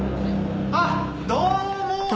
あっどうも！